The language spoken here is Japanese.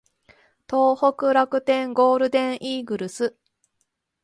東北楽天ゴールデンイーグルス